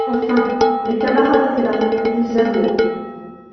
Enfin, les camarades étaient là, ils arrivaient.